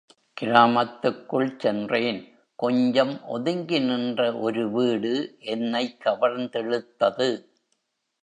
கிராமத்துக்குள் சென்றேன் கொஞ்சம் ஒதுங்கி நின்ற ஒரு வீடு என்னைக் கவர்ந்திழுத்தது.